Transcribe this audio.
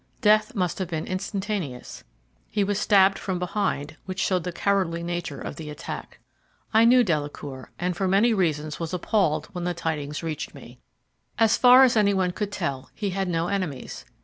Death must have been instantaneous. He was stabbed from behind, which showed the cowardly nature of the attack. I knew Delacour, and for many reasons was appalled when the tidings reached me. As far as any one could tell, he had no enemies.